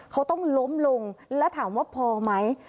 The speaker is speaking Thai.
เขาต้องล้มลงแล้วถามว่าพอไหม